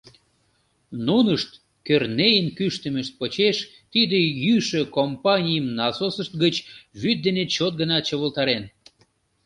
Нунышт Кӧрнеин кӱштымышт почеш тиде йӱшӧ компанийым насосышт гыч вӱд дене чот гына чывылтарен.